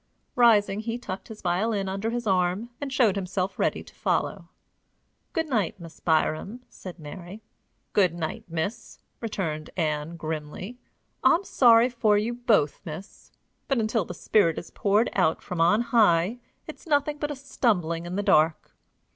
Rising, he tucked his violin under his arm, and showed himself ready to follow. "Good night, Miss Byrom," said Mary. "Good night, miss," returned Ann, grimly. "I'm sorry for you both, miss. But, until the spirit is poured out from on high, it's nothing but a stumbling in the dark."